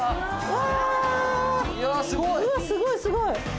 うわすごいすごい！